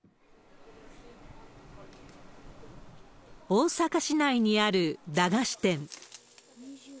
大阪市内にある駄菓子店。